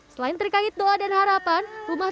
selain terkait doa dan harapan rumah